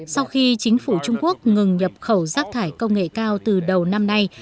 sau khi chính phủ trung quốc ngừng nhập khẩu rác thải công nghệ cao từ đầu năm nay